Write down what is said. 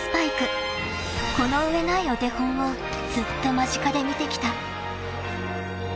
［この上ないお手本をずっと間近で見てきた］